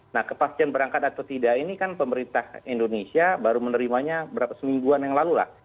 nah kepastian berangkat atau tidak ini kan pemerintah indonesia baru menerimanya berapa semingguan yang lalu lah